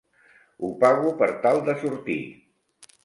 Ho pago per tal de sortir!